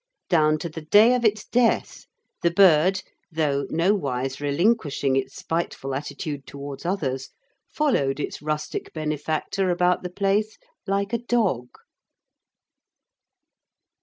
Down to the day of its death the bird, though nowise relinquishing its spiteful attitude towards others, followed its rustic benefactor about the place like a dog.